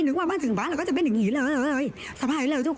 นึกว่ามันถึงบ้านเราก็จะเป็นอย่างงี้เลยสบายเลยทุกคน